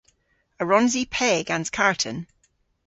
A wrons i pe gans karten?